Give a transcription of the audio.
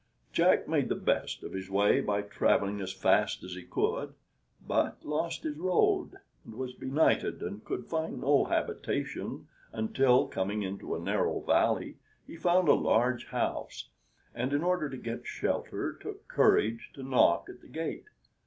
Jack made the best of his way by traveling as fast as he could, but lost his road, and was benighted, and could find no habitation until, coming into a narrow valley, he found a large house, and in order to get shelter took courage to knock at the gate.